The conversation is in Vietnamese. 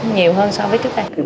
nhiều hơn so với trước đây